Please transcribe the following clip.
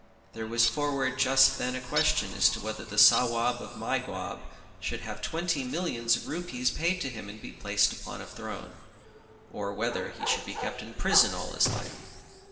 There was forward just then a question as to whether the Sawab of Mygawb should have twenty millions of rupees paid to him and be placed upon a throne, or whether he should be kept in prison all his life.